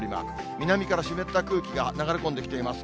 南から湿った空気が流れ込んできています。